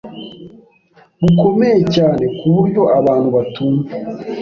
bukomeye cyane ku buryo abantu batumva